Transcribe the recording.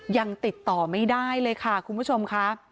ยังติดต่อไม่ได้เลยค่ะคุณผู้ชมค่ะ